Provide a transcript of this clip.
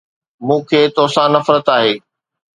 مون کي توسان نفرت آهي!